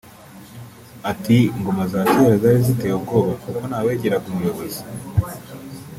Ati “ Ingoma za kera zari ziteye ubwoba kuko ntawegeraga umuyobozi